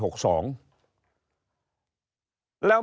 แล้วมีการเลือกตั้ง